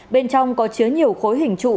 bên trong có chứa nhiều khối hình trụ